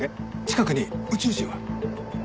近くに宇宙人は？